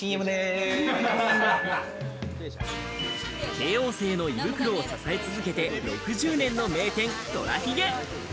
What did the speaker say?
慶應生の胃袋を支え続けて６０年の名店とらひげ。